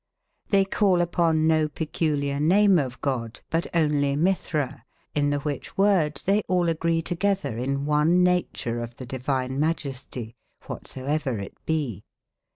XTbey call upon no peculiar name of God, but only JMitbra, in tbe wbicb word tbey all agree together in one nature of tbe divine ma jesti, whatsoever it be.